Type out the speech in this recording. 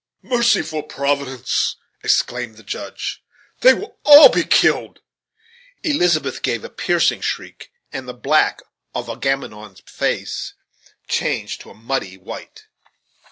"Merciful Providence!" exclaimed the Judge; "they will be all killed!" Elizabeth gave a piercing shriek, and the black of Agamemnon's face changed to a muddy white.